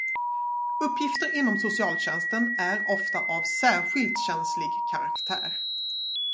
Uppgifter inom socialtjänsten är ofta av särskilt känslig karaktär.